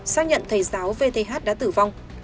xác nhận thầy giáo vth đã tử vong